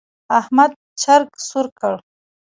احمد چرګ سور کړ.